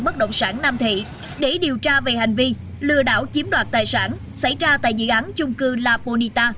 bất động sản nam thị để điều tra về hành vi lừa đảo chiếm đoạt tài sản xảy ra tại dự án trung cư la boneta